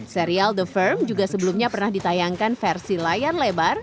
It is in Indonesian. serial the firm juga sebelumnya pernah ditayangkan versi layar lebar